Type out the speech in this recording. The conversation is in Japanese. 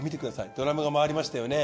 ドラムが回りましたよね。